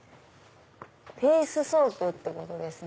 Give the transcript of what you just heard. フェースソープってことですね。